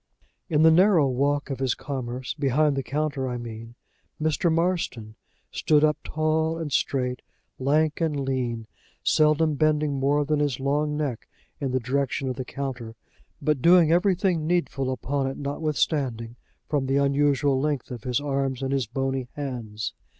In the narrow walk of his commerce behind the counter, I mean Mr. Marston stood up tall and straight, lank and lean, seldom bending more than his long neck in the direction of the counter, but doing everything needful upon it notwithstanding, from the unusual length of his arms and his bony hands.